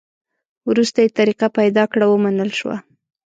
وروسته یې طریقه پیدا کړه؛ ومنل شوه.